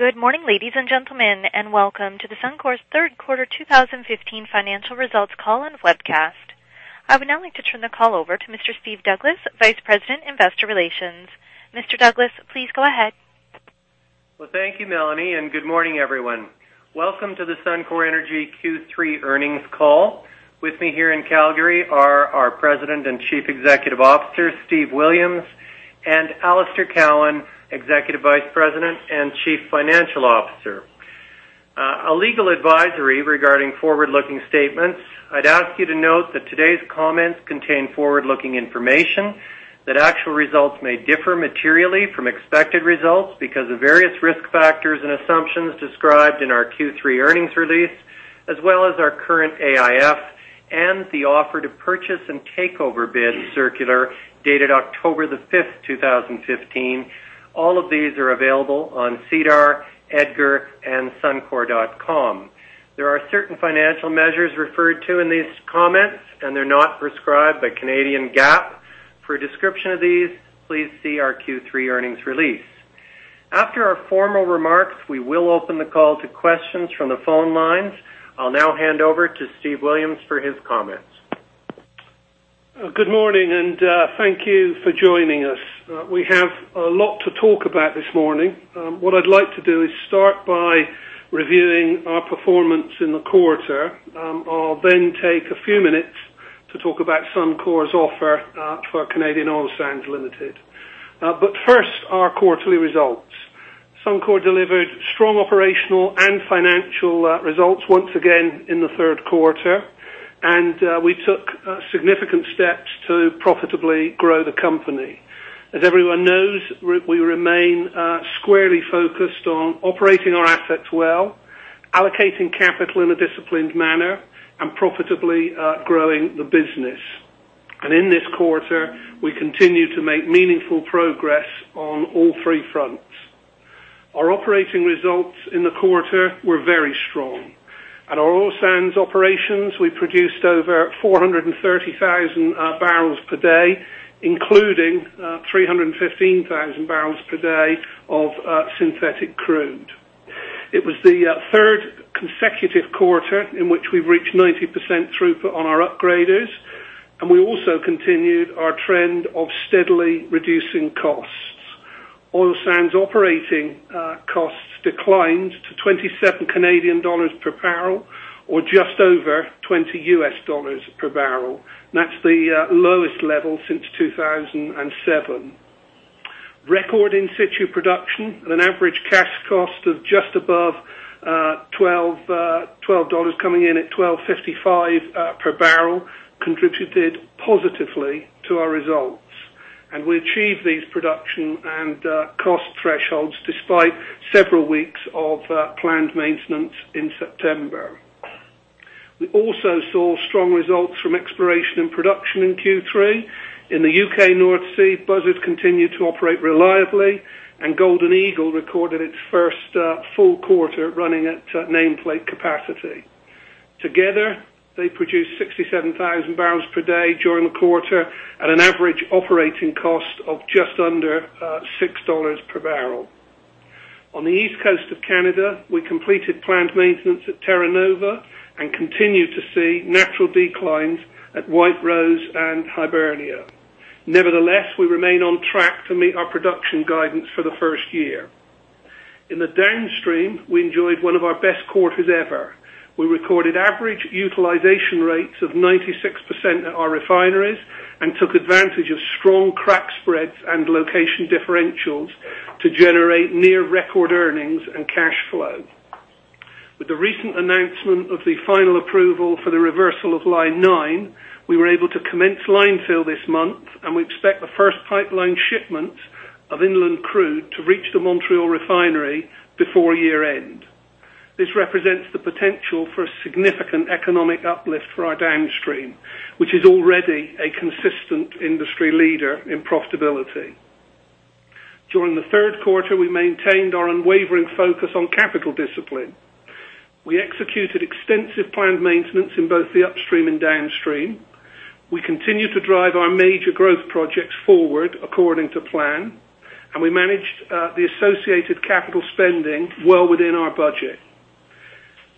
Good morning, ladies and gentlemen, and welcome to Suncor's third quarter 2015 financial results call and webcast. I would now like to turn the call over to Mr. Steve Douglas, Vice President, Investor Relations. Mr. Douglas, please go ahead. Well, thank you, Melanie, and good morning, everyone. Welcome to the Suncor Energy Q3 earnings call. With me here in Calgary are our President and Chief Executive Officer, Steve Williams, and Alister Cowan, Executive Vice President and Chief Financial Officer. A legal advisory regarding forward-looking statements. I'd ask you to note that today's comments contain forward-looking information, that actual results may differ materially from expected results because of various risk factors and assumptions described in our Q3 earnings release, as well as our current AIF and the offer to purchase and takeover bid circular dated October the 5th, 2015. All of these are available on SEDAR, EDGAR, and suncor.com. There are certain financial measures referred to in these comments, and they're not prescribed by Canadian GAAP. For a description of these, please see our Q3 earnings release. After our formal remarks, we will open the call to questions from the phone lines. I'll now hand over to Steve Williams for his comments. Good morning. Thank you for joining us. We have a lot to talk about this morning. What I'd like to do is start by reviewing our performance in the quarter. I'll then take a few minutes to talk about Suncor's offer for Canadian Oil Sands Limited. First, our quarterly results. Suncor delivered strong operational and financial results once again in the third quarter, and we took significant steps to profitably grow the company. As everyone knows, we remain squarely focused on operating our assets well, allocating capital in a disciplined manner, and profitably growing the business. In this quarter, we continue to make meaningful progress on all three fronts. Our operating results in the quarter were very strong. At our oil sands operations, we produced over 430,000 barrels per day, including 315,000 barrels per day of synthetic crude. It was the third consecutive quarter in which we've reached 90% throughput on our upgraders, we also continued our trend of steadily reducing costs. Oil sands operating costs declined to 27 Canadian dollars per barrel or just over $20 per barrel. That's the lowest level since 2007. Record in-situ production at an average cash cost of just above 12 dollars, coming in at 12.55 per barrel, contributed positively to our results. We achieved these production and cost thresholds despite several weeks of planned maintenance in September. We also saw strong results from exploration and production in Q3. In the U.K. North Sea, Buzzard continued to operate reliably, and Golden Eagle recorded its first full quarter running at nameplate capacity. Together, they produced 67,000 barrels per day during the quarter at an average operating cost of just under 6 dollars per barrel. On the east coast of Canada, we completed planned maintenance at Terra Nova and continue to see natural declines at White Rose and Hibernia. Nevertheless, we remain on track to meet our production guidance for the first year. In the downstream, we enjoyed one of our best quarters ever. We recorded average utilization rates of 96% at our refineries and took advantage of strong crack spreads and location differentials to generate near record earnings and cash flow. With the recent announcement of the final approval for the reversal of Line 9, we were able to commence line fill this month. We expect the first pipeline shipment of inland crude to reach the Montreal refinery before year-end. This represents the potential for a significant economic uplift for our downstream, which is already a consistent industry leader in profitability. During the third quarter, we maintained our unwavering focus on capital discipline. We executed extensive planned maintenance in both the upstream and downstream. We continue to drive our major growth projects forward according to plan. We managed the associated capital spending well within our budget.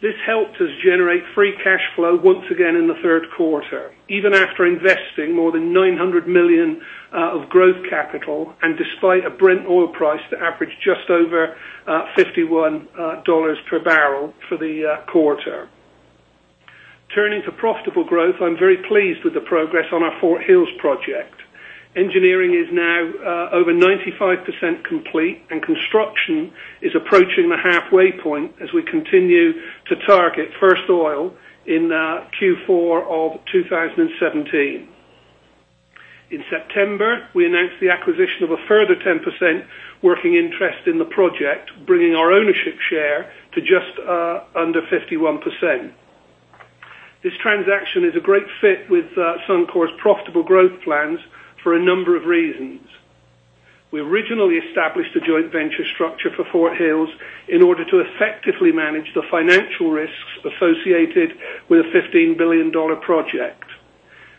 This helped us generate free cash flow once again in the third quarter, even after investing more than 900 million of growth capital and despite a Brent oil price that averaged just over 51 dollars per barrel for the quarter. Turning to profitable growth, I'm very pleased with the progress on our Fort Hills project. Engineering is now over 95% complete, and construction is approaching the halfway point as we continue to target first oil in Q4 of 2017. In September, we announced the acquisition of a further 10% working interest in the project, bringing our ownership share to just under 51%. This transaction is a great fit with Suncor's profitable growth plans for a number of reasons. We originally established a joint venture structure for Fort Hills in order to effectively manage the financial risks associated with a 15 billion dollar project.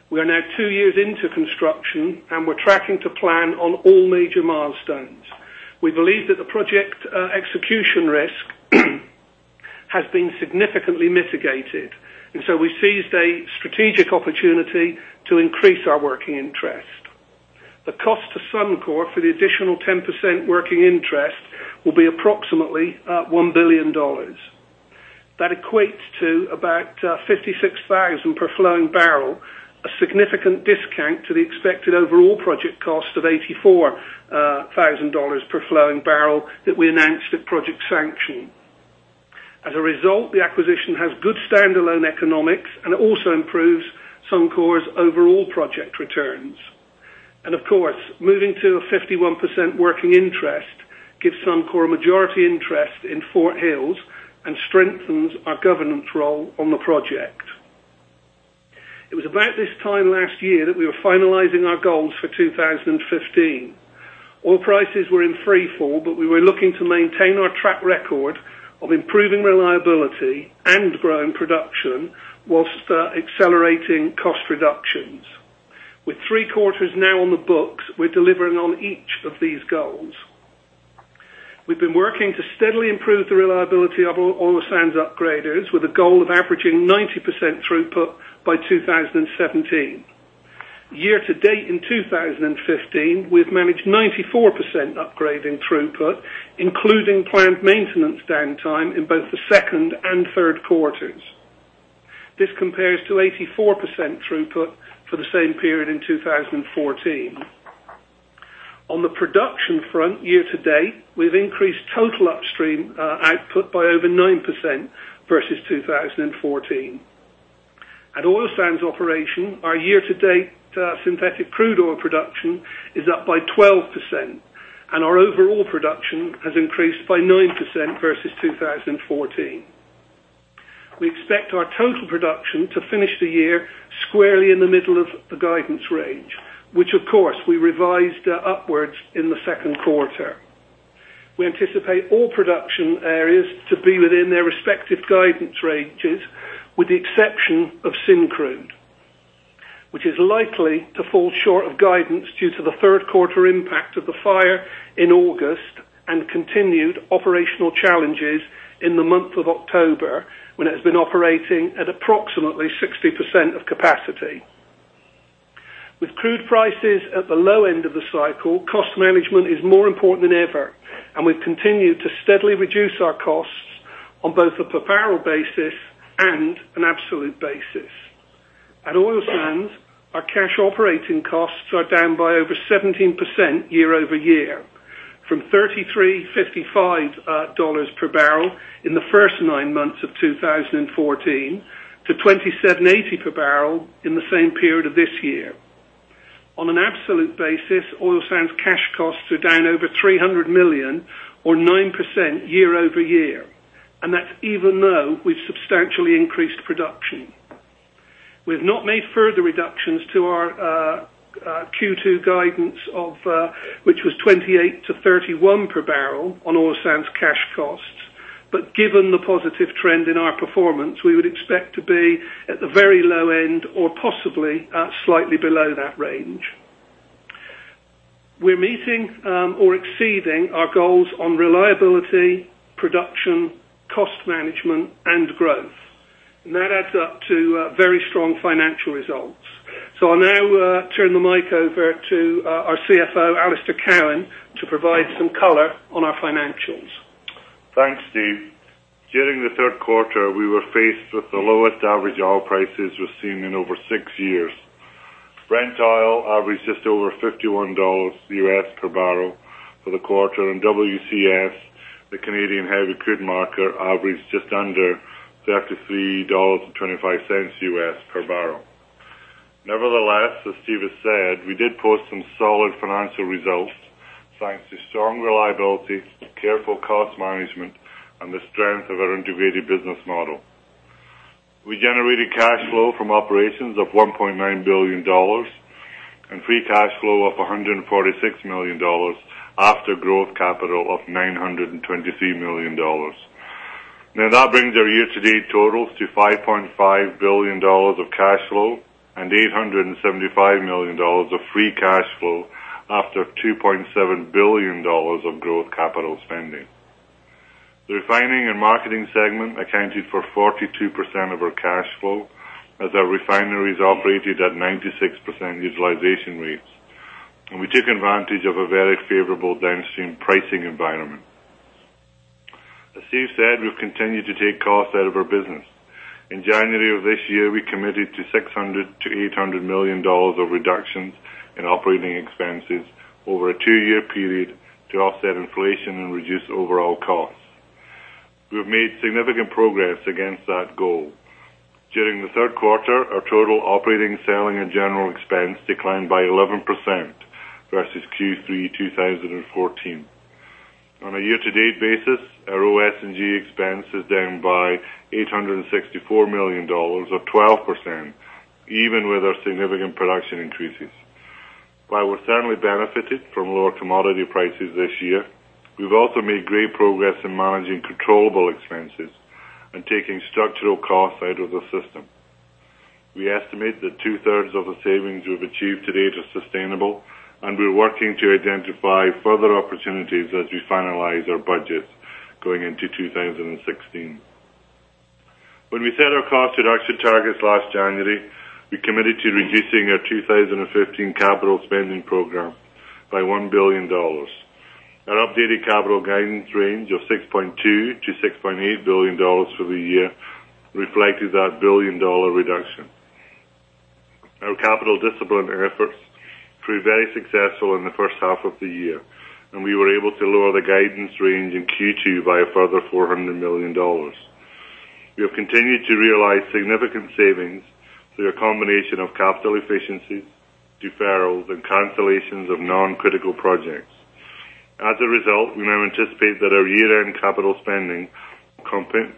We are now two years into construction. We're tracking to plan on all major milestones. We believe that the project execution risk has been significantly mitigated. We seized a strategic opportunity to increase our working interest. The cost to Suncor for the additional 10% working interest will be approximately at 1 billion dollars. That equates to about 56,000 per flowing barrel, a significant discount to the expected overall project cost of 84,000 dollars per flowing barrel that we announced at project sanction. As a result, the acquisition has good standalone economics, it also improves Suncor's overall project returns. And of course, moving to a 51% working interest gives Suncor a majority interest in Fort Hills and strengthens our governance role on the project. It was about this time last year that we were finalizing our goals for 2015. Oil prices were in free fall, but we were looking to maintain our track record of improving reliability and growing production whilst accelerating cost reductions. With three quarters now on the books, we're delivering on each of these goals. We've been working to steadily improve the reliability of Oil Sands upgraders with a goal of averaging 90% throughput by 2017. Year-to-date in 2015, we've managed 94% upgrading throughput, including planned maintenance downtime in both the second and third quarters. This compares to 84% throughput for the same period in 2014. On the production front, year-to-date, we've increased total upstream output by over 9% versus 2014. At Oil Sands operation, our year-to-date synthetic crude oil production is up by 12%, and our overall production has increased by 9% versus 2014. We expect our total production to finish the year squarely in the middle of the guidance range, which of course, we revised upwards in the second quarter. We anticipate all production areas to be within their respective guidance ranges, with the exception of Syncrude, which is likely to fall short of guidance due to the third quarter impact of the fire in August and continued operational challenges in the month of October, when it has been operating at approximately 60% of capacity. With crude prices at the low end of the cycle, cost management is more important than ever, and we've continued to steadily reduce our costs on both a per barrel basis and an absolute basis. At Oil Sands, our cash operating costs are down by over 17% year-over-year, from 33.55 dollars per barrel in the first nine months of 2014 to 27.80 per barrel in the same period of this year. On an absolute basis, Oil Sands cash costs are down over 300 million or 9% year-over-year, and that's even though we've substantially increased production. We've not made further reductions to our Q2 guidance, which was 28-31 per barrel on Oil Sands cash costs. But given the positive trend in our performance, we would expect to be at the very low end or possibly at slightly below that range. We're meeting or exceeding our goals on reliability, production, cost management, and growth, and that adds up to very strong financial results. So I'll now turn the mic over to our CFO, Alister Cowan, to provide some color on our financials. Thanks, Steve. During the third quarter, we were faced with the lowest average oil prices we've seen in over six years. Brent oil averaged just over $51 per barrel for the quarter, and WCS, the Canadian heavy crude marker, averaged just under $33.25 per barrel. Nevertheless, as Steve has said, we did post some solid financial results thanks to strong reliability, careful cost management, and the strength of our integrated business model. We generated cash flow from operations of 1.9 billion dollars and free cash flow of 146 million dollars after growth capital of 923 million dollars. Now, that brings our year-to-date totals to 5.5 billion dollars of cash flow and 875 million dollars of free cash flow after 2.7 billion dollars of growth capital spending. The Refining and Marketing segment accounted for 42% of our cash flow as our refineries operated at 96% utilization rates, and we took advantage of a very favorable downstream pricing environment. As Steve said, we've continued to take costs out of our business. In January of this year, we committed to 600 million to 800 million dollars of reductions in operating expenses over a two-year period to offset inflation and reduce overall costs. We have made significant progress against that goal. During the third quarter, our total operating, selling, and general expense declined by 11% versus Q3 2014. On a year-to-date basis, our OS&G expense is down by 864 million dollars or 12%, even with our significant production increases. While we're certainly benefited from lower commodity prices this year, we've also made great progress in managing controllable expenses and taking structural costs out of the system. We estimate that two-thirds of the savings we've achieved to date are sustainable, and we're working to identify further opportunities as we finalize our budget going into 2016. When we set our cost reduction targets last January, we committed to reducing our 2015 capital spending program by 1 billion dollars. Our updated capital guidance range of 6.2 billion to 6.8 billion dollars for the year reflected that billion-dollar reduction. Our capital discipline efforts proved very successful in the first half of the year, and we were able to lower the guidance range in Q2 by a further CAD 400 million. We have continued to realize significant savings through a combination of capital efficiencies, deferrals, and cancellations of non-critical projects. As a result, we now anticipate that our year-end capital spending will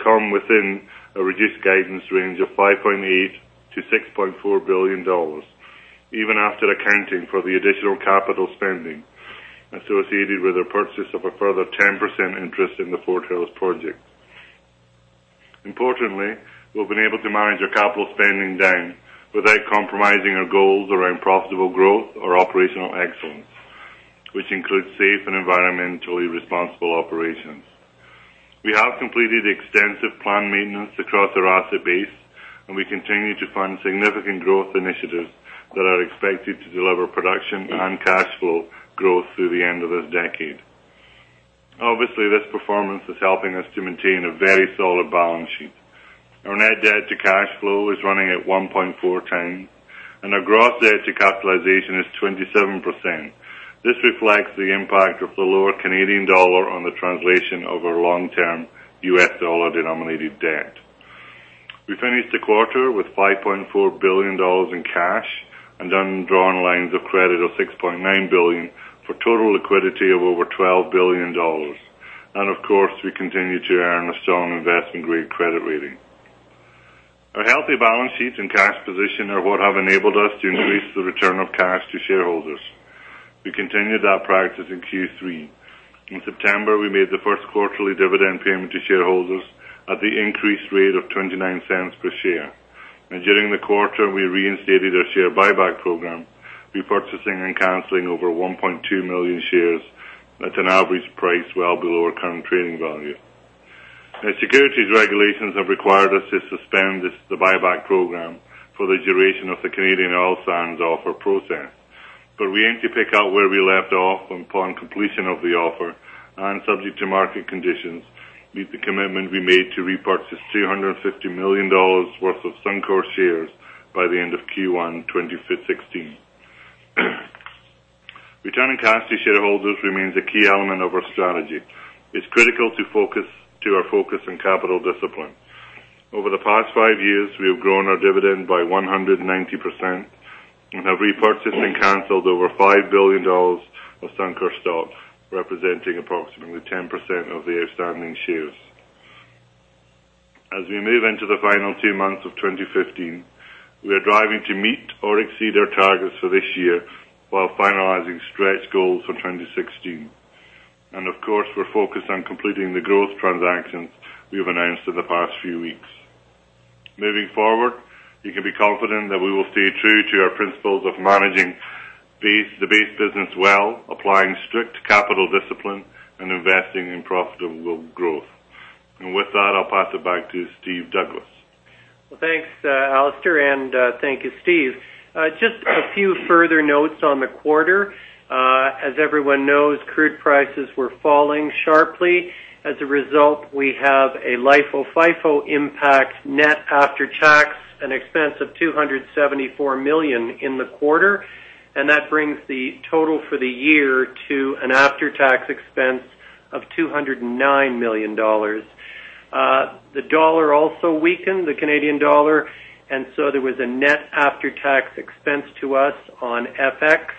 come within a reduced guidance range of 5.8 billion to 6.4 billion dollars, even after accounting for the additional capital spending associated with the purchase of a further 10% interest in the Fort Hills project. Importantly, we've been able to manage our capital spending down without compromising our goals around profitable growth or operational excellence, which includes safe and environmentally responsible operations. We have completed extensive planned maintenance across our asset base, and we continue to fund significant growth initiatives that are expected to deliver production and cash flow growth through the end of this decade. Obviously, this performance is helping us to maintain a very solid balance sheet. Our net debt to cash flow is running at 1.4 times, and our gross debt to capitalization is 27%. This reflects the impact of the lower Canadian dollar on the translation of our long-term US dollar-denominated debt. We finished the quarter with 5.4 billion dollars in cash and undrawn lines of credit of 6.9 billion, for total liquidity of over 12 billion dollars. Of course, we continue to earn a strong investment-grade credit rating. Our healthy balance sheets and cash position are what have enabled us to increase the return of cash to shareholders. We continued that practice in Q3. In September, we made the first quarterly dividend payment to shareholders at the increased rate of 0.29 per share. During the quarter, we reinstated our share buyback program, repurchasing and canceling over 1.2 million shares at an average price well below our current trading value. securities regulations have required us to suspend the buyback program for the duration of the Canadian Oil Sands offer process, but we aim to pick up where we left off upon completion of the offer, and subject to market conditions, meet the commitment we made to repurchase 350 million dollars worth of Suncor shares by the end of Q1 2016. Returning cash to shareholders remains a key element of our strategy. It's critical to our focus on capital discipline. Over the past five years, we have grown our dividend by 190% and have repurchased and canceled over 5 billion dollars of Suncor stock, representing approximately 10% of the outstanding shares. As we move into the final two months of 2015, we are driving to meet or exceed our targets for this year while finalizing stretch goals for 2016. Of course, we're focused on completing the growth transactions we have announced in the past few weeks. Moving forward, you can be confident that we will stay true to our principles of managing the base business well, applying strict capital discipline, and investing in profitable growth. With that, I'll pass it back to Steve Douglas. Well, thanks, Alister, and thank you, Steve. Just a few further notes on the quarter. As everyone knows, crude prices were falling sharply. As a result, we have a LIFO, FIFO impact net after-tax and expense of 274 million in the quarter, that brings the total for the year to an after-tax expense of 209 million dollars. The dollar also weakened, the Canadian dollar, so there was a net after-tax expense to us on FX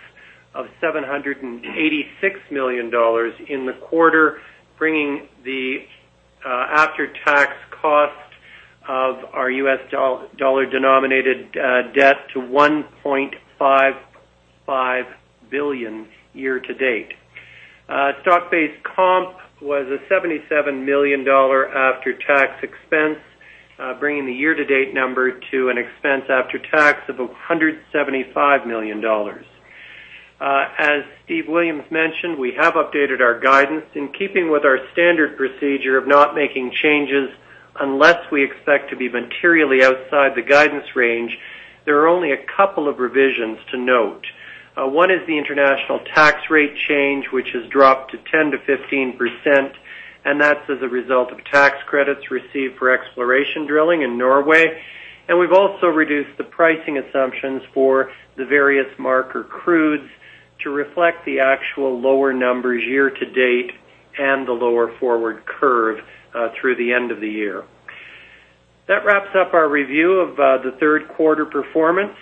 of 786 million dollars in the quarter, bringing the after-tax cost of our US dollar-denominated debt to $1.55 billion year to date. Stock-based comp was a 77 million dollar after-tax expense, bringing the year-to-date number to an expense after tax of 175 million dollars. As Steve Williams mentioned, we have updated our guidance. In keeping with our standard procedure of not making changes unless we expect to be materially outside the guidance range, there are only a couple of revisions to note. One is the international tax rate change, which has dropped to 10%-15%, that's as a result of tax credits received for exploration drilling in Norway. We've also reduced the pricing assumptions for the various marker crudes to reflect the actual lower numbers year to date and the lower forward curve through the end of the year. That wraps up our review of the third quarter performance.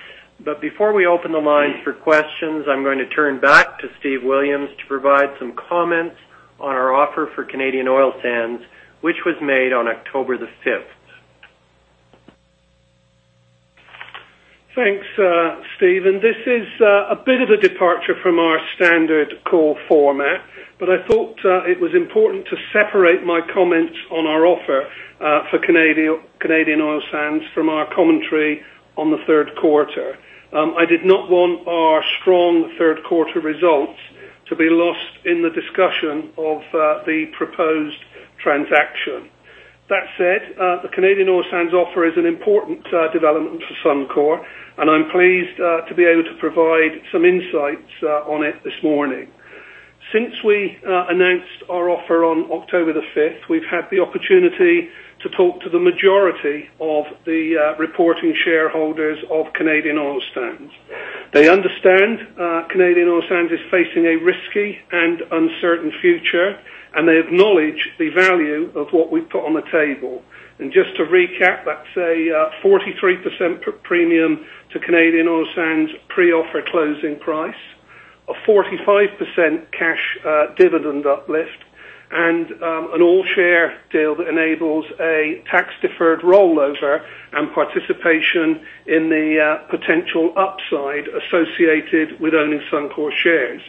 Before we open the lines for questions, I'm going to turn back to Steve Williams to provide some comments on our offer for Canadian Oil Sands, which was made on October 5th. Thanks, Steven. This is a bit of a departure from our standard call format, but I thought it was important to separate my comments on our offer for Canadian Oil Sands from our commentary on the third quarter. I did not want our strong third-quarter results to be lost in the discussion of the proposed transaction. That said, the Canadian Oil Sands offer is an important development for Suncor, and I'm pleased to be able to provide some insights on it this morning. Since we announced our offer on October the 5th, we've had the opportunity to talk to the majority of the reporting shareholders of Canadian Oil Sands. They understand Canadian Oil Sands is facing a risky and uncertain future, and they acknowledge the value of what we've put on the table. Just to recap, that's a 43% premium to Canadian Oil Sands pre-offer closing price, a 45% cash dividend uplift, an all-share deal that enables a tax-deferred rollover and participation in the potential upside associated with owning Suncor shares.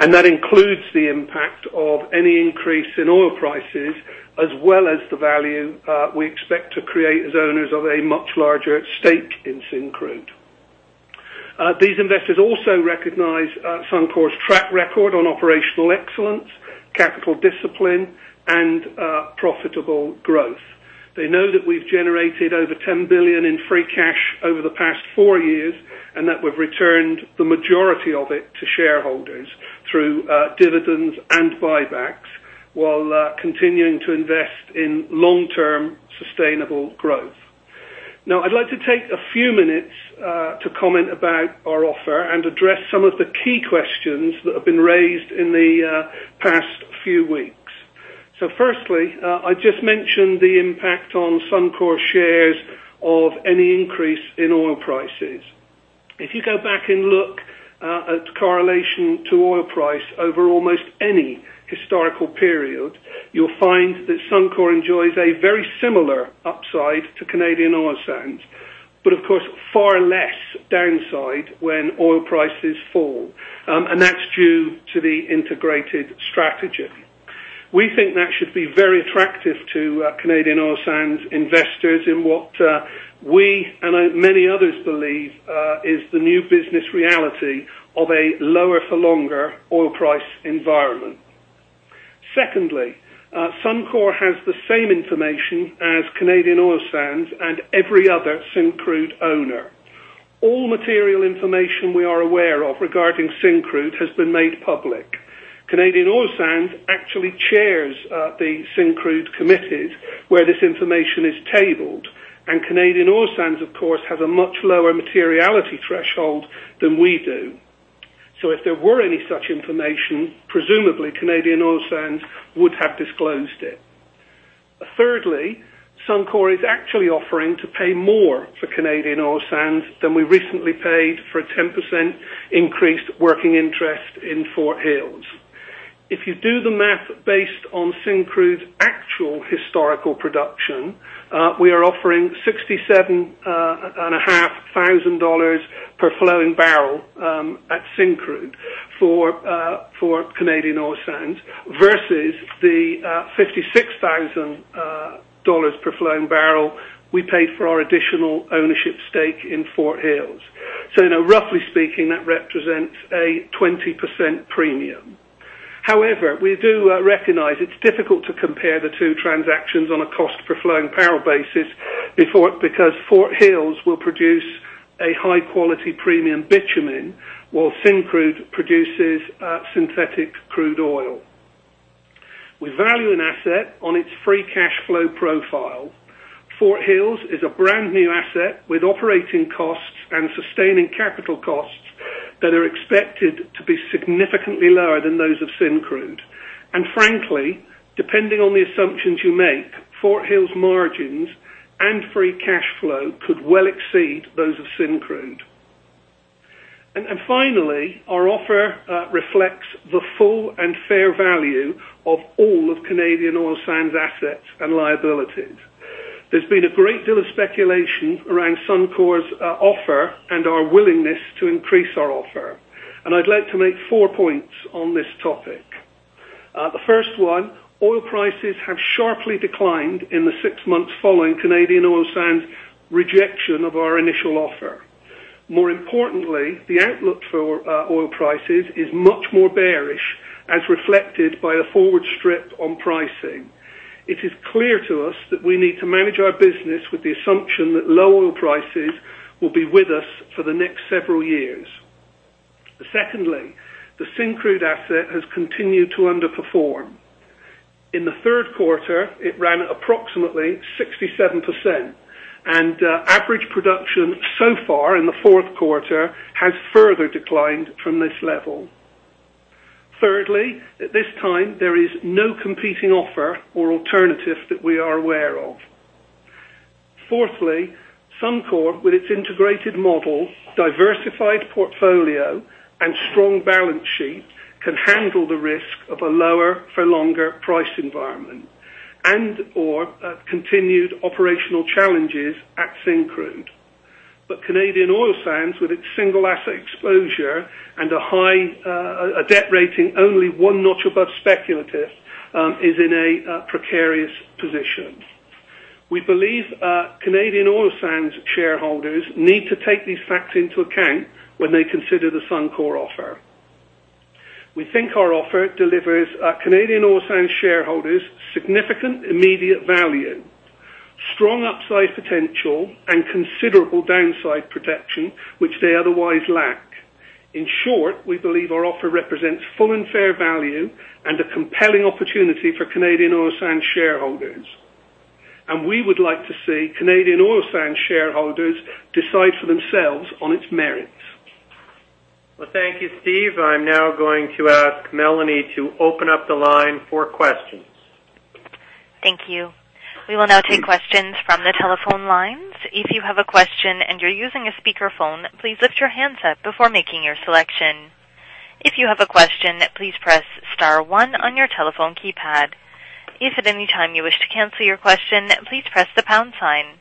That includes the impact of any increase in oil prices, as well as the value we expect to create as owners of a much larger stake in Syncrude. These investors also recognize Suncor's track record on operational excellence, capital discipline, and profitable growth. They know that we've generated over 10 billion in free cash over the past four years, that we've returned the majority of it to shareholders through dividends and buybacks while continuing to invest in long-term sustainable growth. I'd like to take a few minutes to comment about our offer and address some of the key questions that have been raised in the past few weeks. Firstly, I just mentioned the impact on Suncor shares of any increase in oil prices. If you go back and look at correlation to oil price over almost any historical period, you'll find that Suncor enjoys a very similar upside to Canadian Oil Sands, but of course far less downside when oil prices fall. That's due to the integrated strategy. We think that should be very attractive to Canadian Oil Sands investors in what we and many others believe is the new business reality of a lower for longer oil price environment. Secondly, Suncor has the same information as Canadian Oil Sands and every other Syncrude owner. All material information we are aware of regarding Syncrude has been made public. Canadian Oil Sands actually chairs the Syncrude committees where this information is tabled, Canadian Oil Sands, of course, has a much lower materiality threshold than we do. If there were any such information, presumably Canadian Oil Sands would have disclosed it. Thirdly, Suncor is actually offering to pay more for Canadian Oil Sands than we recently paid for a 10% increased working interest in Fort Hills. If you do the math based on Syncrude's actual historical production, we are offering 67,500 dollars per flowing barrel at Syncrude for Canadian Oil Sands versus the 56,000 dollars per flowing barrel we paid for our additional ownership stake in Fort Hills. Roughly speaking, that represents a 20% premium. We do recognize it's difficult to compare the two transactions on a cost per flowing barrel basis because Fort Hills will produce a high-quality premium bitumen, while Syncrude produces synthetic crude oil. We value an asset on its free cash flow profile. Fort Hills is a brand-new asset with operating costs and sustaining capital costs that are expected to be significantly lower than those of Syncrude. Frankly, depending on the assumptions you make, Fort Hills margins and free cash flow could well exceed those of Syncrude. Finally, our offer reflects the full and fair value of all of Canadian Oil Sands assets and liabilities. There's been a great deal of speculation around Suncor's offer and our willingness to increase our offer, and I'd like to make four points on this topic. The first one, oil prices have sharply declined in the six months following Canadian Oil Sands' rejection of our initial offer. More importantly, the outlook for oil prices is much more bearish as reflected by the forward strip on pricing. It is clear to us that we need to manage our business with the assumption that low oil prices will be with us for the next several years. Secondly, the Syncrude asset has continued to underperform. In the third quarter, it ran at approximately 67%, and average production so far in the fourth quarter has further declined from this level. Thirdly, at this time, there is no competing offer or alternative that we are aware of. Fourthly, Suncor, with its integrated model, diversified portfolio, and strong balance sheet, can handle the risk of a lower for longer price environment. Continued operational challenges at Syncrude. Canadian Oil Sands, with its single asset exposure and a high debt rating, only one notch above speculative, is in a precarious position. We believe Canadian Oil Sands shareholders need to take these facts into account when they consider the Suncor offer. We think our offer delivers Canadian Oil Sands shareholders significant immediate value, strong upside potential, and considerable downside protection, which they otherwise lack. In short, we believe our offer represents full and fair value and a compelling opportunity for Canadian Oil Sands shareholders. We would like to see Canadian Oil Sands shareholders decide for themselves on its merits. Well, thank you, Steve. I'm now going to ask Melanie to open up the line for questions. Thank you. We will now take questions from the telephone lines. If you have a question and you're using a speakerphone, please lift your handset before making your selection. If you have a question, please press star one on your telephone keypad. If at any time you wish to cancel your question, please press the pound sign.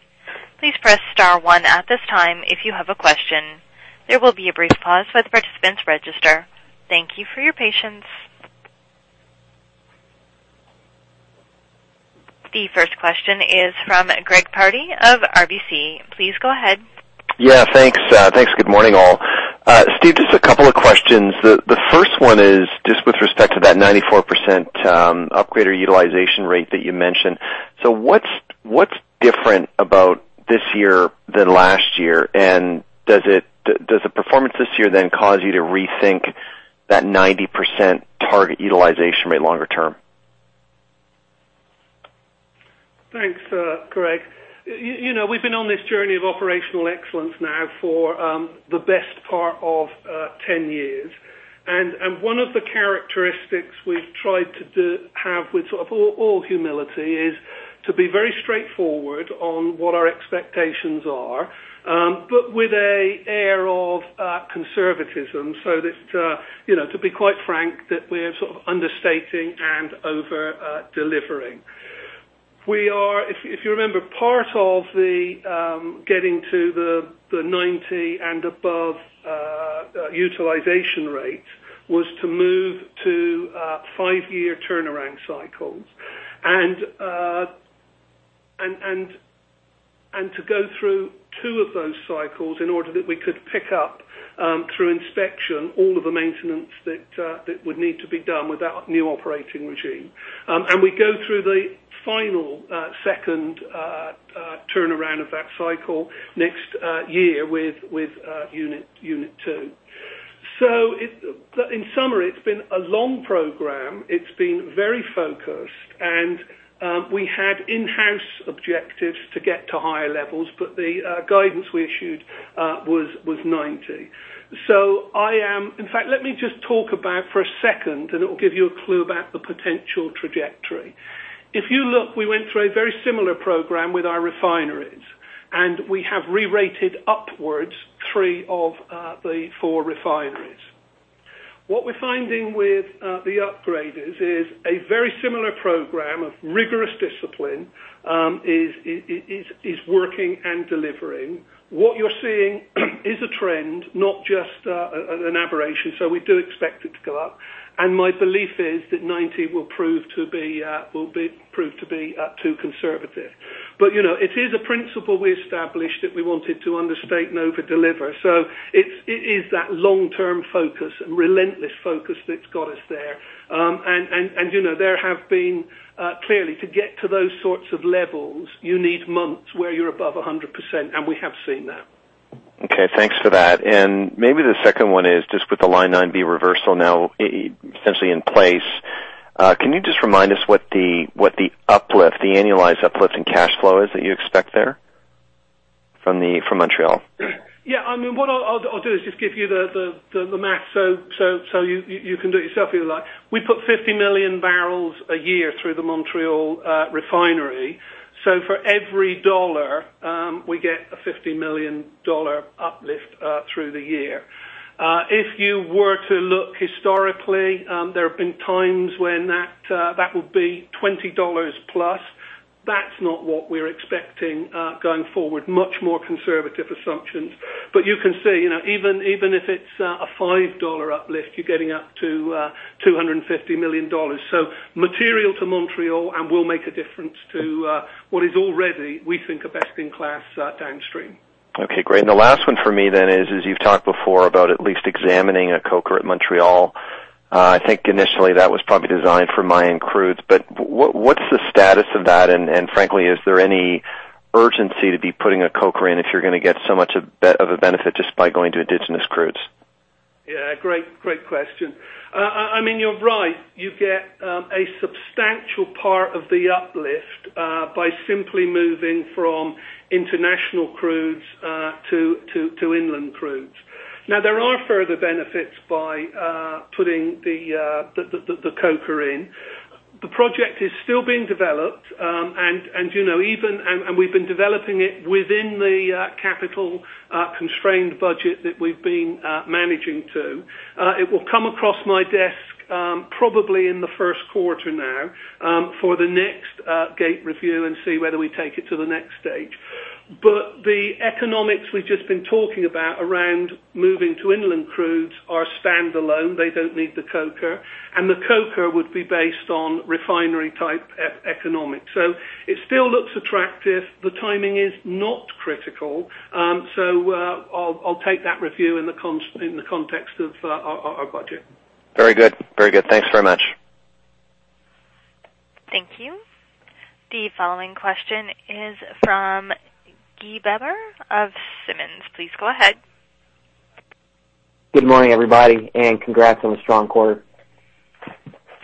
Please press star one at this time if you have a question. There will be a brief pause while the participants register. Thank you for your patience. The first question is from Greg Pardy of RBC. Please go ahead. Yeah, thanks. Good morning, all. Steve, just a couple of questions. The first one is just with respect to that 94% upgrader utilization rate that you mentioned. What's different about this year than last year, and does the performance this year then cause you to rethink that 90% target utilization rate longer-term? Thanks, Greg. We've been on this journey of operational excellence now for the best part of 10 years. One of the characteristics we've tried to have with all humility is to be very straightforward on what our expectations are, but with an air of conservatism so that, to be quite frank, that we're sort of understating and over-delivering. If you remember, part of the getting to the 90 and above utilization rate was to move to five-year turnaround cycles. To go through two of those cycles in order that we could pick up through inspection all of the maintenance that would need to be done with that new operating regime. We go through the final second turnaround of that cycle next year with Upgrader 2. In summary, it's been a long program. It's been very focused, and we had in-house objectives to get to higher levels, but the guidance we issued was 90. In fact, let me just talk about for a second, and it will give you a clue about the potential trajectory. If you look, we went through a very similar program with our refineries, and we have re-rated upwards three of the four refineries. What we're finding with the upgraders is a very similar program of rigorous discipline is working and delivering. What you're seeing is a trend, not just an aberration. We do expect it to go up. My belief is that 90 will prove to be too conservative. It is a principle we established that we wanted to understate and over-deliver. It is that long-term focus and relentless focus that's got us there. There have been, clearly, to get to those sorts of levels, you need months where you're above 100%, and we have seen that. Okay. Thanks for that. Maybe the second one is just with the Line 9B reversal now essentially in place. Can you just remind us what the annualized uplift in cash flow is that you expect there from Montreal? Yeah. What I'll do is just give you the math so you can do it yourself if you like. We put 50 million barrels a year through the Montreal refinery. For every CAD, we get a 50 million dollar uplift through the year. If you were to look historically, there have been times when that would be 20-plus dollars. That's not what we're expecting going forward. Much more conservative assumptions. You can see, even if it's a 5 dollar uplift, you're getting up to 250 million dollars. Material to Montreal and will make a difference to what is already, we think, a best-in-class downstream. Okay, great. The last one for me then is, as you've talked before about at least examining a coker at Montreal. I think initially that was probably designed for Maya crudes. What's the status of that? Frankly, is there any urgency to be putting a coker in if you're going to get so much of a benefit just by going to indigenous crudes? Yeah, great question. You're right. You get a substantial part of the uplift by simply moving from international crudes to inland crudes. There are further benefits by putting the coker in. The project is still being developed. We've been developing it within the capital-constrained budget that we've been managing to. It will come across my desk probably in the first quarter now for the next gate review and see whether we take it to the next stage. The economics we've just been talking about around moving to inland crudes are standalone. They don't need the coker. The coker would be based on refinery-type economics. It still looks attractive. The timing is not critical. I'll take that review in the context of our budget. Very good. Thanks very much. Thank you. The following question is from Guy Babber of Simmons. Please go ahead. Good morning, everybody, congrats on the strong quarter.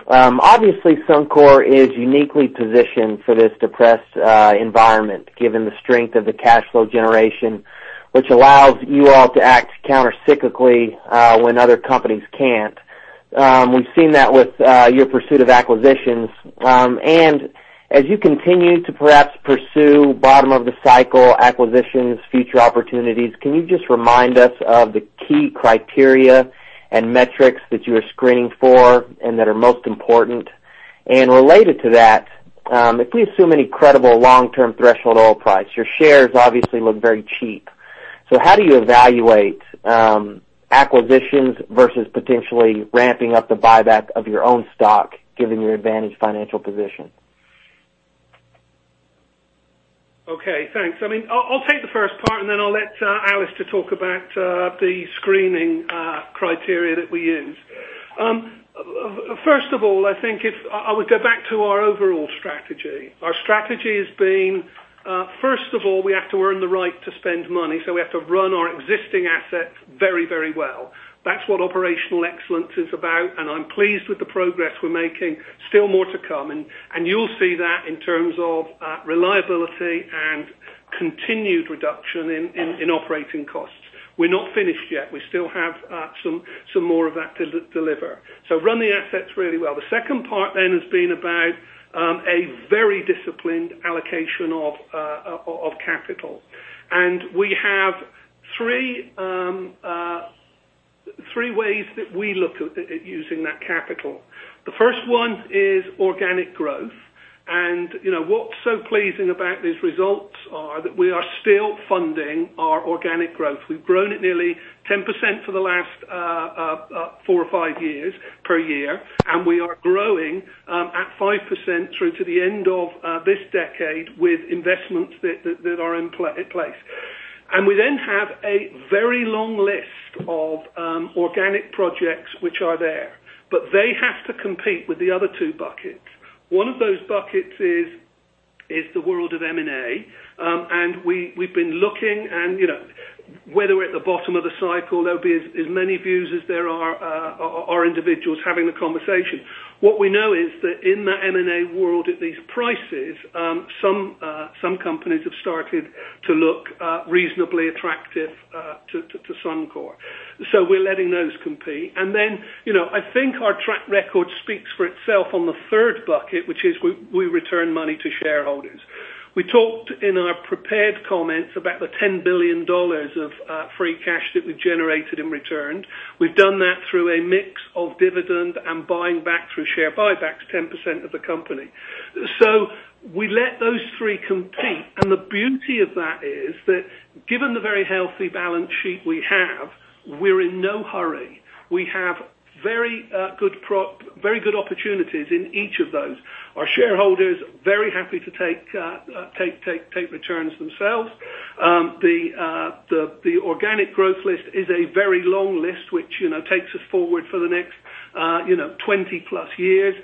Obviously, Suncor is uniquely positioned for this depressed environment, given the strength of the cash flow generation, which allows you all to act countercyclically when other companies can't. We've seen that with your pursuit of acquisitions. As you continue to perhaps pursue bottom-of-the-cycle acquisitions, future opportunities, can you just remind us of the key criteria and metrics that you are screening for and that are most important? Related to that, if we assume any credible long-term threshold oil price, your shares obviously look very cheap. How do you evaluate acquisitions versus potentially ramping up the buyback of your own stock, given your advantaged financial position? Okay, thanks. I'll take the first part, then I'll let Alister Cowan talk about the screening criteria that we use. First of all, I think I would go back to our overall strategy. Our strategy has been, first of all, we have to earn the right to spend money, so we have to run our existing assets very well. That's what operational excellence is about, and I'm pleased with the progress we're making. Still more to come. You'll see that in terms of reliability and continued reduction in operating costs. We're not finished yet. We still have some more of that to deliver. Run the assets really well. The second part then has been about a very disciplined allocation of capital. We have three ways that we look at using that capital. The first one is organic growth. What's so pleasing about these results are that we are still funding our organic growth. We've grown at nearly 10% for the last four or five years, per year, and we are growing at 5% through to the end of this decade with investments that are in place. We then have a very long list of organic projects which are there. They have to compete with the other two buckets. One of those buckets is the world of M&A, and we've been looking, and whether we're at the bottom of the cycle, there'll be as many views as there are individuals having the conversation. What we know is that in the M&A world at these prices, some companies have started to look reasonably attractive to Suncor. We're letting those compete. I think our track record speaks for itself on the third bucket, which is we return money to shareholders. We talked in our prepared comments about the 10 billion dollars of free cash that we've generated and returned. We've done that through a mix of dividend and buying back through share buybacks, 10% of the company. We let those three compete, and the beauty of that is that given the very healthy balance sheet we have, we're in no hurry. We have very good opportunities in each of those. Our shareholders are very happy to take returns themselves. The organic growth list is a very long list, which takes us forward for the next 20-plus years.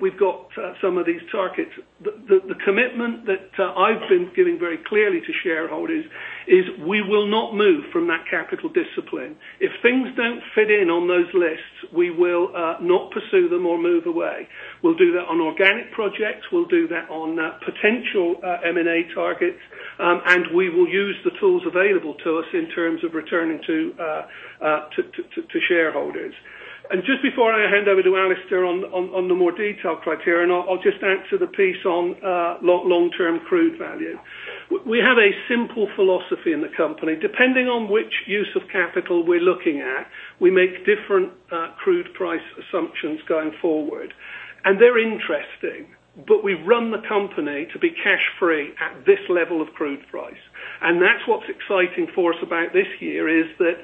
We've got some of these targets. The commitment that I've been giving very clearly to shareholders is we will not move from that capital discipline. If things don't fit in on those lists, we will not pursue them or move away. We'll do that on organic projects, we'll do that on potential M&A targets, and we will use the tools available to us in terms of returning to shareholders. Just before I hand over to Alister Cowan on the more detailed criteria, I'll just answer the piece on long-term crude value. We have a simple philosophy in the company. Depending on which use of capital we're looking at, we make different crude price assumptions going forward. They're interesting, but we run the company to be cash-free at this level of crude price. That's what's exciting for us about this year, is that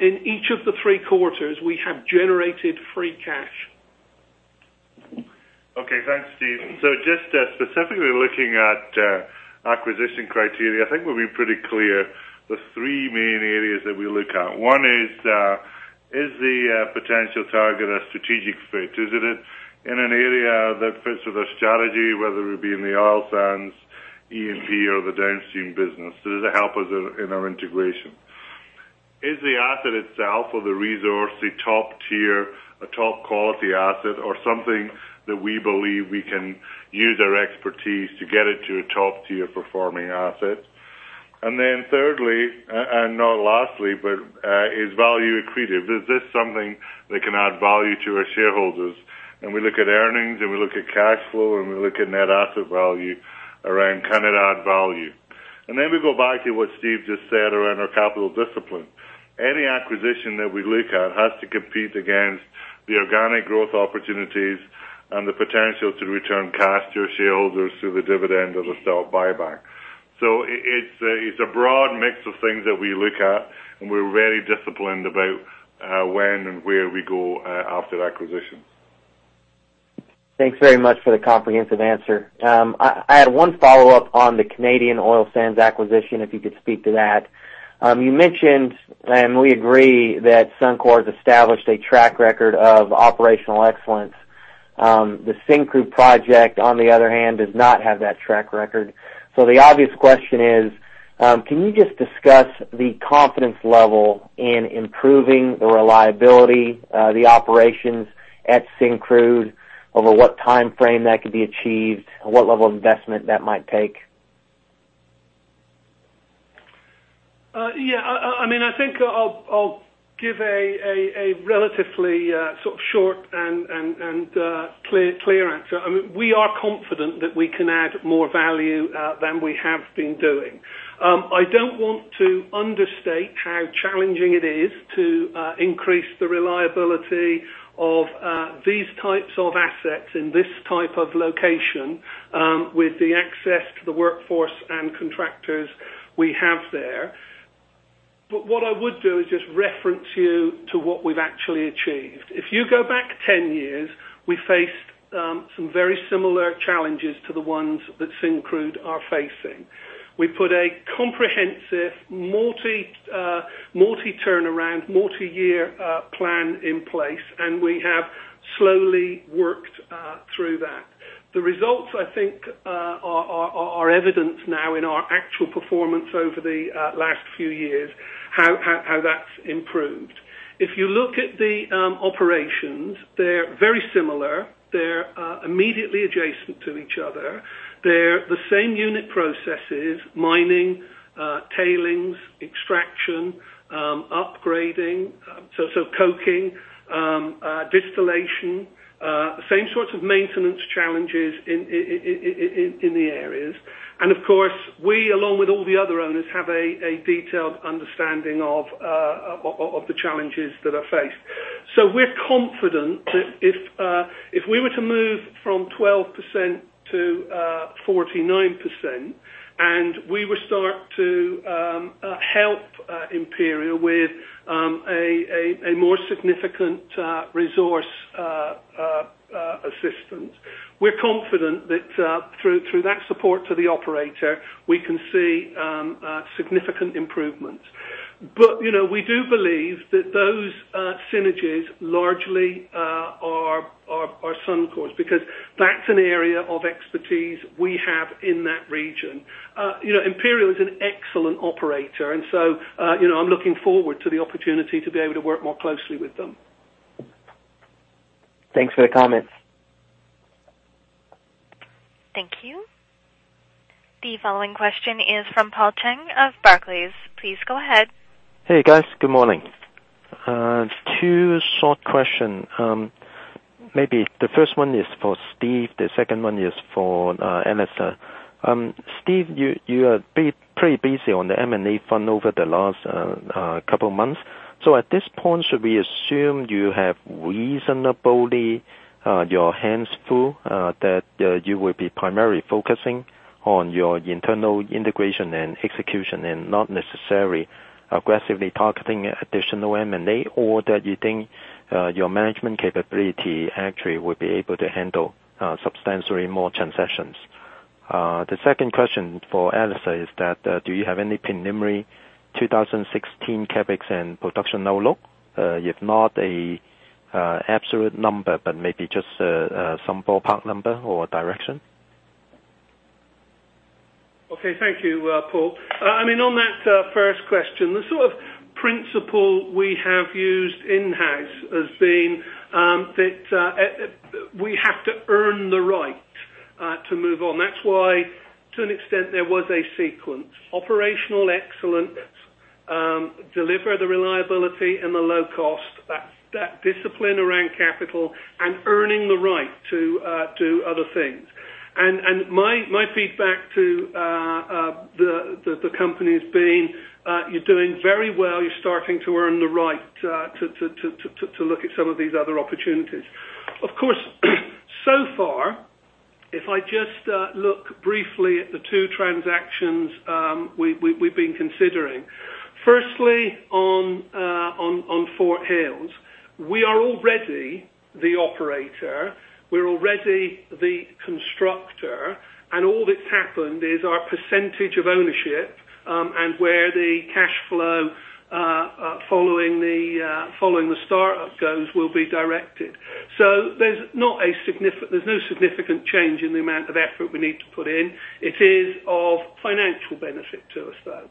in each of the three quarters, we have generated free cash. Thanks, Steve. Just specifically looking at acquisition criteria, I think we will be pretty clear the three main areas that we look at. One is the potential target a strategic fit? Is it in an area that fits with our strategy, whether it be in the oil sands, E&P, or the downstream business? Does it help us in our integration? Is the asset itself or the resource a top-tier, a top-quality asset, or something that we believe we can use our expertise to get it to a top-tier performing asset? Thirdly, and not lastly, but is value accretive. Is this something that can add value to our shareholders? We look at earnings, and we look at cash flow, and we look at net asset value around can it add value? We go back to what Steve just said around our capital discipline. Any acquisition that we look at has to compete against the organic growth opportunities and the potential to return cash to shareholders through the dividend or the stock buyback. It is a broad mix of things that we look at, and we are very disciplined about when and where we go after acquisitions. Thanks very much for the comprehensive answer. I had one follow-up on the Canadian Oil Sands acquisition, if you could speak to that. You mentioned, and we agree, that Suncor has established a track record of operational excellence. The Syncrude project, on the other hand, does not have that track record. The obvious question is, can you just discuss the confidence level in improving the reliability of the operations at Syncrude? Over what timeframe that could be achieved, and what level of investment that might take? I think I will give a relatively short and clear answer. We are confident that we can add more value than we have been doing. I do not want to understate how challenging it is to increase the reliability of these types of assets in this type of location with the access to the workforce and contractors we have there. What I would do is just reference you to what we have actually achieved. If you go back 10 years, we faced some very similar challenges to the ones that Syncrude are facing. We put a comprehensive multi-turnaround, multi-year plan in place, and we have slowly worked through that. The results, I think, are evident now in our actual performance over the last few years, how that has improved. If you look at the operations, they are very similar. They are immediately adjacent to each other. They're the same unit processes, mining, tailings, extraction, upgrading, coking, distillation. Same sorts of maintenance challenges in the areas. Of course, we, along with all the other owners, have a detailed understanding of the challenges that are faced. We're confident that if we were to move from 12% to 49%, and we would start to help Imperial with a more significant resource assistance. We're confident that through that support to the operator, we can see significant improvements. We do believe that those synergies largely are Suncor's, because that's an area of expertise we have in that region. Imperial is an excellent operator, I'm looking forward to the opportunity to be able to work more closely with them. Thanks for the comments. Thank you. The following question is from Paul Cheng of Barclays. Please go ahead. Hey, guys. Good morning. Two short question. Maybe the first one is for Steve, the second one is for Alister. Steve, you are pretty busy on the M&A front over the last couple of months. At this point, should we assume you have reasonably your hands full, that you will be primarily focusing on your internal integration and execution and not necessarily aggressively targeting additional M&A? That you think your management capability actually would be able to handle substantially more transactions? The second question for Alister is that, do you have any preliminary 2016 CapEx and production outlook? If not a absolute number, but maybe just some ballpark number or direction. Okay. Thank you, Paul. On that first question, the sort of principle we have used in-house has been that we have to earn the right to move on. That's why, to an extent, there was a sequence. Operational excellence, deliver the reliability and the low cost, that discipline around capital and earning the right to do other things. My feedback to the company has been, you're doing very well. You're starting to earn the right to look at some of these other opportunities. Of course, so far, if I just look briefly at the two transactions we've been considering. Firstly, on Fort Hills. We are already the operator. We're already the constructor, and all that's happened is our percentage of ownership and where the cash flow following the startup goes will be directed. So there's no significant change in the amount of effort we need to put in. It is of financial benefit to us, though.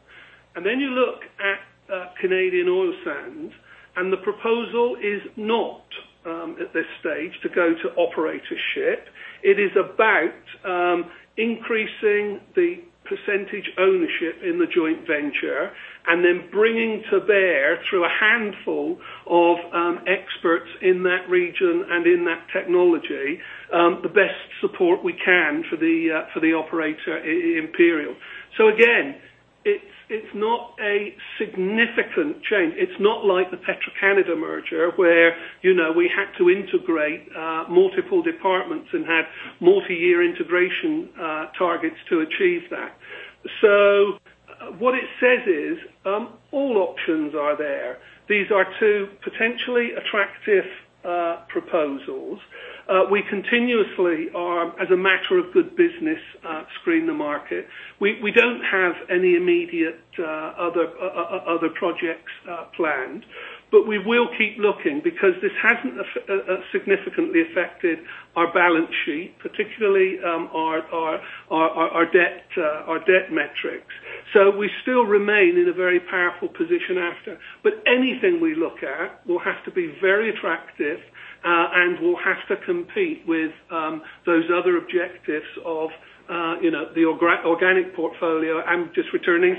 Then you look at Canadian Oil Sands, and the proposal is not at this stage to go to operatorship. It is about increasing the percentage ownership in the joint venture and then bringing to bear through a handful of experts in that region and in that technology, the best support we can for the operator, Imperial. Again. It's not a significant change. It's not like the Petro-Canada merger where we had to integrate multiple departments and had multi-year integration targets to achieve that. What it says is all options are there. These are two potentially attractive proposals. We continuously are, as a matter of good business, screen the market. We don't have any immediate other projects planned, but we will keep looking because this hasn't significantly affected our balance sheet, particularly our debt metrics. We still remain in a very powerful position after. Anything we look at will have to be very attractive and will have to compete with those other objectives of the organic portfolio and just returning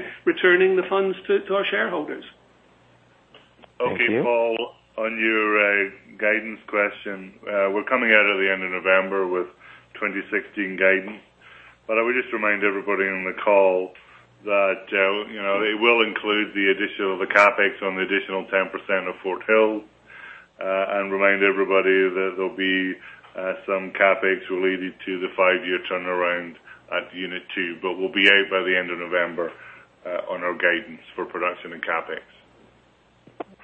the funds to our shareholders. Thank you. Okay, Paul, on your guidance question, we are coming out at the end of November with 2016 guidance. I would just remind everybody on the call that it will include the CapEx on the additional 10% of Fort Hills, and remind everybody that there will be some CapEx related to the five-year turnaround at Upgrader 2. We will be out by the end of November on our guidance for production and CapEx.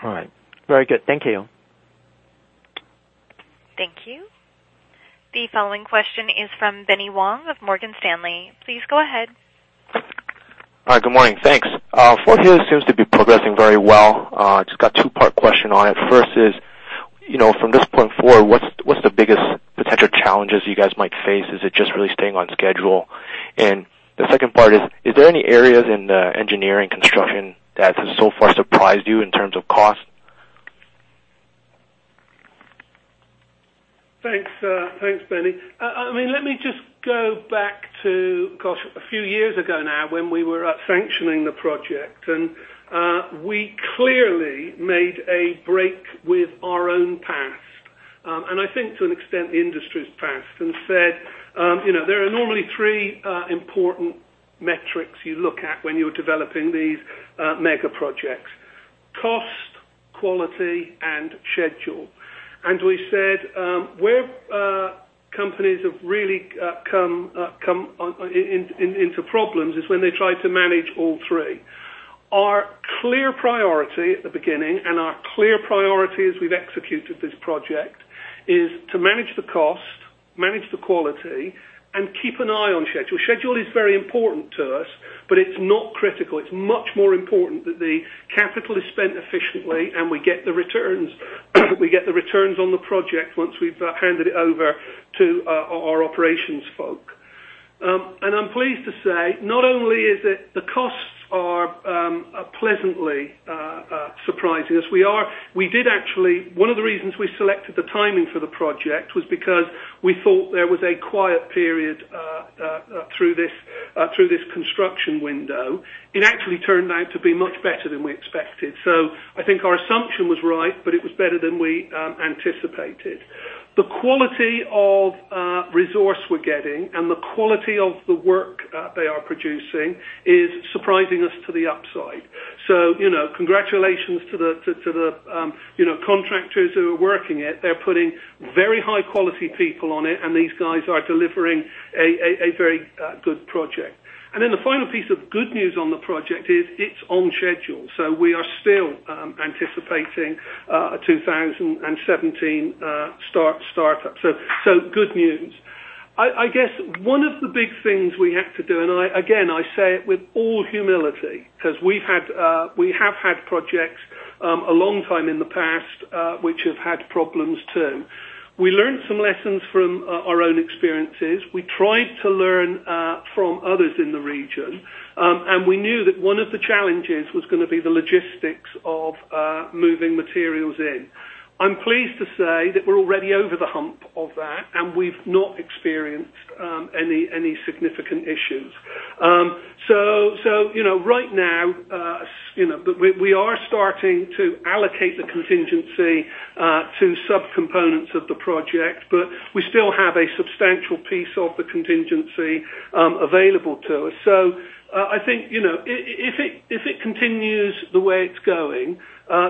All right. Very good. Thank you. Thank you. The following question is from Benny Wong of Morgan Stanley. Please go ahead. Hi, good morning, thanks. Fort Hills seems to be progressing very well. Just got a two-part question on it. First is, from this point forward, what is the biggest potential challenges you guys might face? Is it just really staying on schedule? The second part is there any areas in the engineering construction that has so far surprised you in terms of cost? Thanks, Benny. Let me just go back to, gosh, a few years ago now when we were sanctioning the project. We clearly made a break with our own past, and I think to an extent, the industry's past, and said there are normally three important metrics you look at when you're developing these mega projects, cost, quality, and schedule. We said where companies have really come into problems is when they try to manage all three. Our clear priority at the beginning, and our clear priority as we've executed this project, is to manage the cost, manage the quality, and keep an eye on schedule. Schedule is very important to us, but it's not critical. It's much more important that the capital is spent efficiently, and we get the returns on the project once we've handed it over to our operations folk. I'm pleased to say, not only is it the costs are pleasantly surprising us. One of the reasons we selected the timing for the project was because we thought there was a quiet period through this construction window. It actually turned out to be much better than we expected. I think our assumption was right, but it was better than we anticipated. The quality of resource we're getting and the quality of the work that they are producing is surprising us to the upside. Congratulations to the contractors who are working it. They're putting very high-quality people on it, and these guys are delivering a very good project. Then the final piece of good news on the project is it's on schedule. We are still anticipating a 2017 startup. Good news. I guess one of the big things we have to do. Again, I say it with all humility because we have had projects a long time in the past which have had problems, too. We learned some lessons from our own experiences. We tried to learn from others in the region, and we knew that one of the challenges was going to be the logistics of moving materials in. I'm pleased to say that we're already over the hump of that, and we've not experienced any significant issues. Right now, we are starting to allocate the contingency to subcomponents of the project, but we still have a substantial piece of the contingency available to us. I think if it continues the way it's going,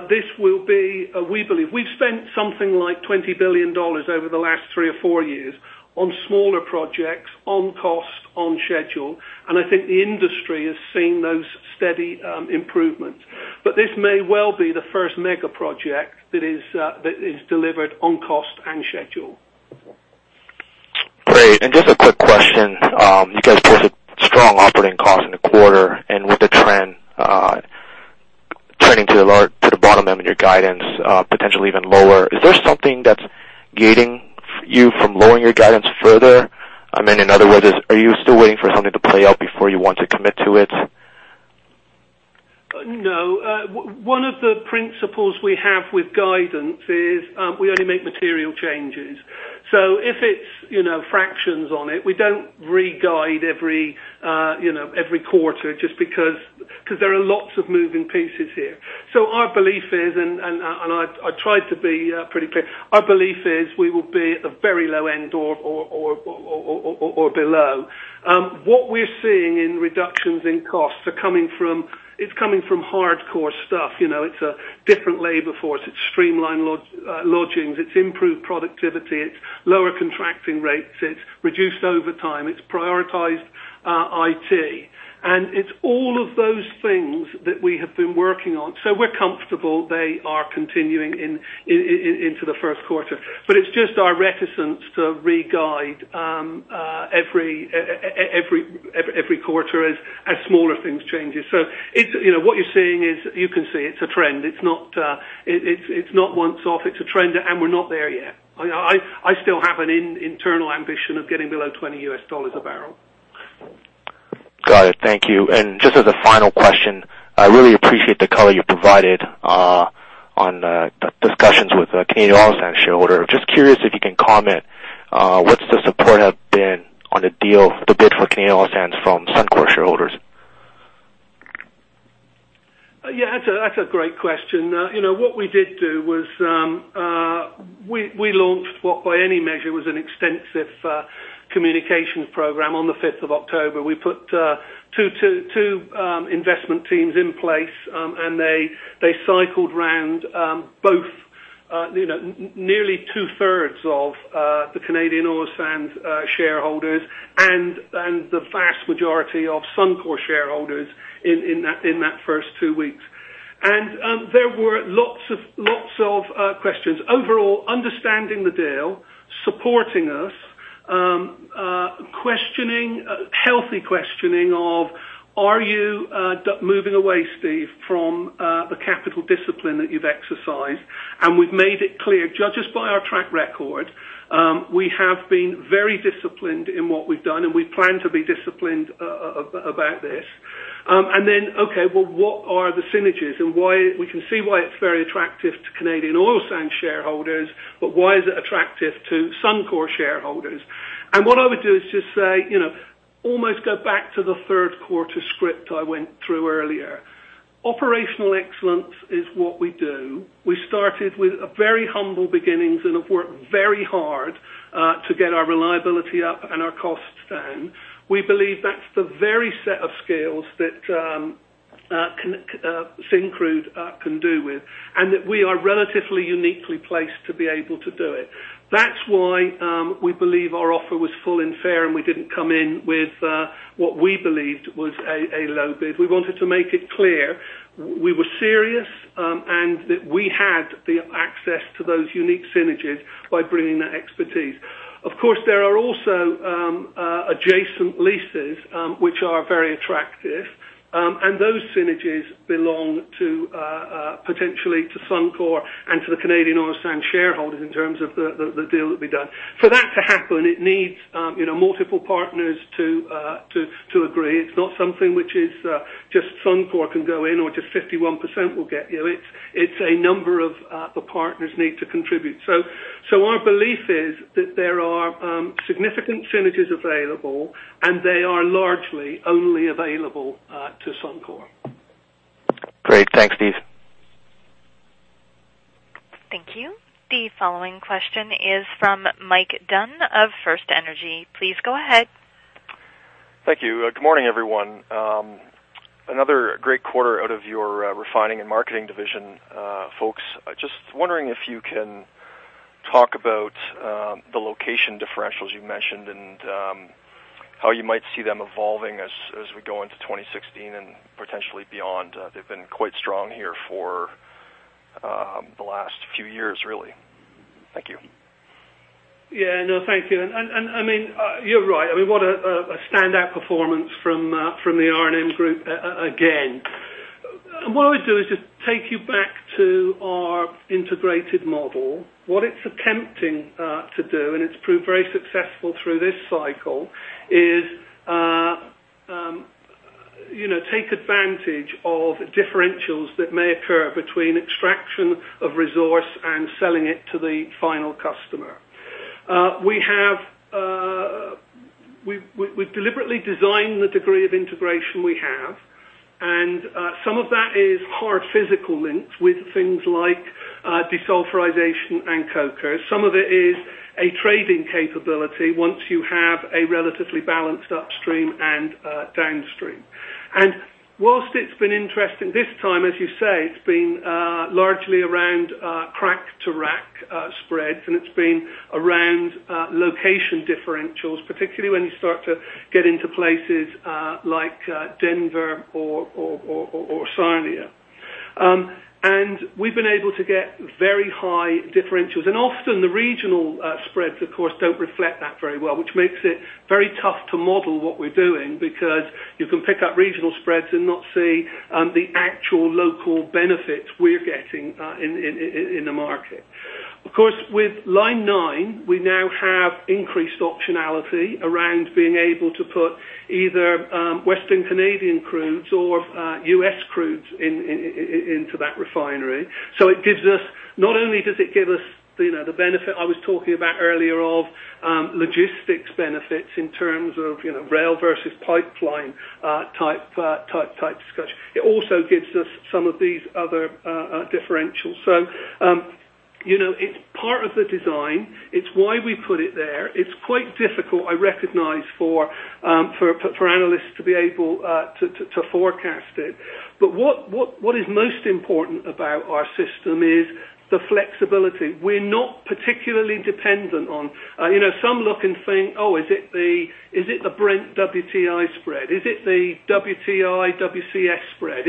this will be, we believe. We've spent something like 20 billion dollars over the last three or four years on smaller projects, on cost, on schedule, and I think the industry is seeing those steady improvements. This may well be the first mega project that is delivered on cost and schedule. Great. Just a quick question. You guys posted strong operating costs in the quarter. With the trend turning to the bottom end of your guidance, potentially even lower, is there something that's gating you from lowering your guidance further? In other words, are you still waiting for something to play out before you want to commit to it? No. One of the principles we have with guidance is we only make material changes. If it's fractions on it, we don't re-guide every quarter just because there are lots of moving pieces here. Our belief is, and I tried to be pretty clear, our belief is we will be at the very low end or below what we're seeing in reductions in costs, it's coming from hardcore stuff. It's a different labor force. It's streamlined lodgings. It's improved productivity. It's lower contracting rates. It's reduced overtime. It's prioritized IT. It's all of those things that we have been working on. We're comfortable they are continuing into the first quarter. It's just our reticence to re-guide every quarter as smaller things changes. What you're seeing is, you can see it's a trend. It's not one-off. It's a trend, and we're not there yet. I still have an internal ambition of getting below $20 US a barrel. Got it. Thank you. Just as a final question, I really appreciate the color you provided on the discussions with Canadian Oil Sands shareholder. Just curious if you can comment, what's the support have been on the bid for Canadian Oil Sands from Suncor shareholders? Yeah, that's a great question. What we did do was, we launched what, by any measure, was an extensive communications program on the 5th of October. We put two investment teams in place, and they cycled around both nearly two-thirds of the Canadian Oil Sands shareholders and the vast majority of Suncor shareholders in that first two weeks. There were lots of questions. Overall, understanding the deal, supporting us, healthy questioning of, are you moving away, Steve, from the capital discipline that you've exercised? We've made it clear, judge us by our track record. We have been very disciplined in what we've done, and we plan to be disciplined about this. Okay, well, what are the synergies? We can see why it's very attractive to Canadian Oil Sands shareholders, but why is it attractive to Suncor shareholders? What I would do is just say, almost go back to the third quarter script I went through earlier. Operational excellence is what we do. We started with very humble beginnings and have worked very hard to get our reliability up and our costs down. We believe that's the very set of skills that Syncrude can do with, that we are relatively uniquely placed to be able to do it. That's why we believe our offer was full and fair, we didn't come in with what we believed was a low bid. We wanted to make it clear we were serious that we had the access to those unique synergies by bringing that expertise. Of course, there are also adjacent leases which are very attractive, those synergies belong potentially to Suncor and to the Canadian Oil Sands shareholders in terms of the deal that'll be done. For that to happen, it needs multiple partners to agree. It's not something which is just Suncor can go in or just 51% will get you. It's a number of the partners need to contribute. Our belief is that there are significant synergies available, they are largely only available to Suncor. Great. Thanks, Steve. Thank you. The following question is from Mike Dunn of FirstEnergy Capital. Please go ahead. Thank you. Good morning, everyone. Another great quarter out of your refining and marketing division, folks. Just wondering if you can talk about the location differentials you mentioned and how you might see them evolving as we go into 2016 and potentially beyond. They've been quite strong here for the last few years, really. Thank you. Yeah. No, thank you. You're right. What a standout performance from the R&M group again. What I would do is just take you back to our integrated model. What it's attempting to do, and it's proved very successful through this cycle, is take advantage of differentials that may occur between extraction of resource and selling it to the final customer. We've deliberately designed the degree of integration we have, and some of that is hard physical links with things like desulfurization and coker. Some of it is a trading capability once you have a relatively balanced upstream and downstream. Whilst it's been interesting this time, as you say, it's been largely around crack spreads, and it's been around location differentials, particularly when you start to get into places like Denver or Sarnia. We've been able to get very high differentials. Often the regional spreads, of course, don't reflect that very well, which makes it very tough to model what we're doing because you can pick up regional spreads and not see the actual local benefits we're getting in the market. Of course, with Line 9, we now have increased optionality around being able to put either Western Canadian crudes or U.S. crudes into that refinery. Not only does it give us the benefit I was talking about earlier of logistics benefits in terms of rail versus pipeline type discussion. It also gives us some of these other differentials. It's part of the design. It's why we put it there. It's quite difficult, I recognize, for analysts to be able to forecast it. What is most important about our system is the flexibility. We're not particularly dependent on. Some look and think, oh, is it the Brent WTI spread? Is it the WTI WCS spread?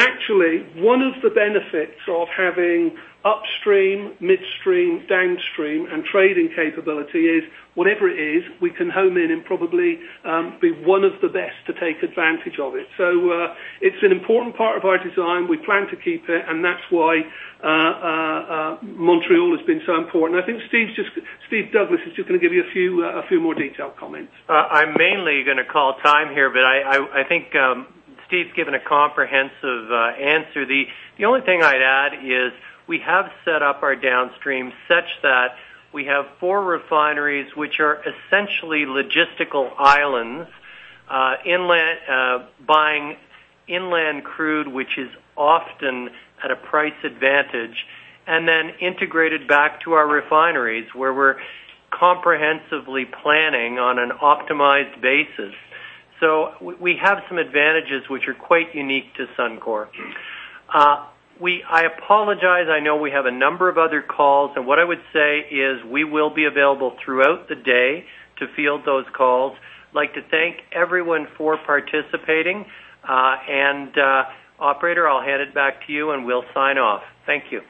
Actually, one of the benefits of having upstream, midstream, downstream, and trading capability is whatever it is, we can home in and probably be one of the best to take advantage of it. It's an important part of our design. We plan to keep it. That's why Montreal has been so important. I think Steve Douglas is just going to give you a few more detailed comments. I'm mainly going to call time here. I think Steve's given a comprehensive answer. The only thing I'd add is we have set up our downstream such that we have four refineries, which are essentially logistical islands. Buying inland crude, which is often at a price advantage, then integrated back to our refineries, where we're comprehensively planning on an optimized basis. We have some advantages which are quite unique to Suncor. I apologize. I know we have a number of other calls. What I would say is we will be available throughout the day to field those calls. I'd like to thank everyone for participating. Operator, I'll hand it back to you, and we'll sign off. Thank you.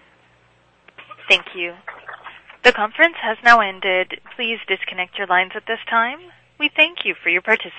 Thank you. The conference has now ended. Please disconnect your lines at this time. We thank you for your participation.